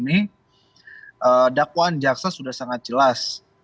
ini dakwaan jaksa sudah sangat jelas